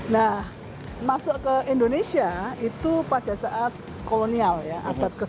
nah masuk ke indonesia itu pada saat kolonial ya abad ke tujuh